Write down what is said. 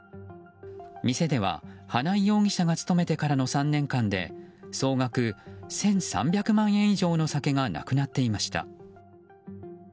店では、花井容疑者が勤めてからの３年間で総額１３００万円以上の酒がなくなっていました。